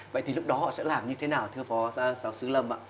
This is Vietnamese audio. vậy thì lúc đó họ sẽ làm như thế nào thưa phó giáo sư lâm ạ